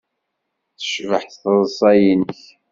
Tecbeḥ teḍsa-nnek.